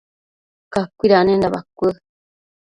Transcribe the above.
cacuidanenda bacuë